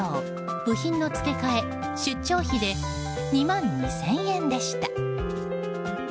部品の付け替え、出張費で２万２０００円でした。